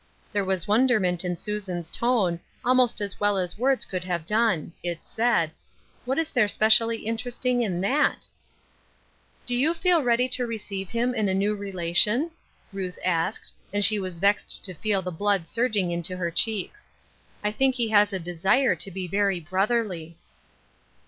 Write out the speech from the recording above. There was wonderment in Susan's tone, almost as well as words could have done. It said: " What is there specially interesting in that ?'*" Do you feel ready to receive him in a new relation ?" Ruth asked, and she was vexed to feel the blood surging into her cheeks. " I think he has a desire to be very brotherly."